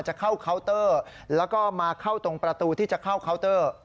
จะเข้าเคาน์เตอร์แล้วก็มาเข้าตรงประตูที่จะเข้าเคาน์เตอร์